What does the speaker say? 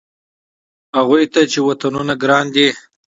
هغوی ته چې وطنونه ګران دي.